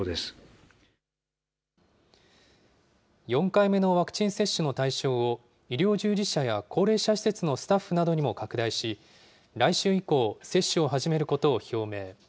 ４回目のワクチン接種の対象を、医療従事者や高齢者施設のスタッフなどにも拡大し、来週以降、接種を始めることを表明。